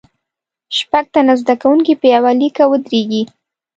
شپږ تنه زده کوونکي په یوه لیکه ودریږئ.